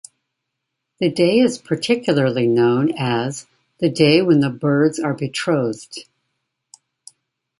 The day is particularly known as "the day when the birds are betrothed".